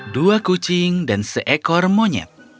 dua kucing dan seekor monyet